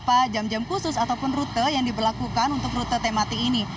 ada beberapa jam jam khusus ataupun rute yang diberlakukan untuk rute tematik ini